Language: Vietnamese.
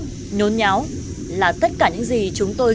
tối tâm trật hẹp nhôn nháo là tất cả những gì chúng tôi có thể tìm ra